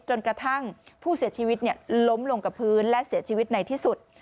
จนกระทั่งผู้เสียชีวิตล้มลงกับพื้นและเสียชีวิตในที่สุด